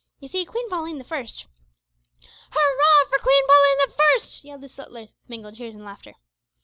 You see, Queen Pauline the First " "Hurrah! for Queen Pauline the First," yelled the settlers, with mingled cheers and laughter.